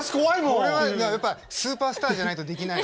これはやっぱりスーパースターじゃないとできない。